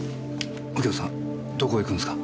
右京さんどこへ行くんですか？